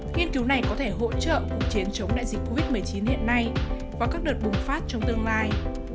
nghiên cứu này có thể hỗ trợ cuộc chiến chống đại dịch covid một mươi chín hiện nay và các đợt bùng phát trong tương lai